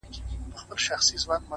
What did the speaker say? خدايه له بـهــاره روانــېــږمه _